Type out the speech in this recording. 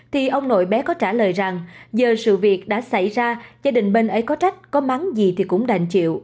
thì ông nội bé có trả lời rằng giờ sự việc đã xảy ra gia đình bên ấy có trách có mắng gì thì cũng đành chịu